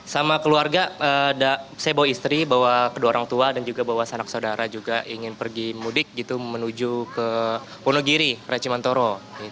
sama keluarga saya bawa istri bawa kedua orang tua dan juga bawa sanak saudara juga ingin pergi mudik gitu menuju ke wonogiri recimantoro